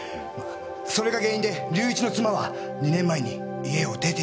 それが原因で隆一の妻は２年前に家を出ていってしまったそうですよ。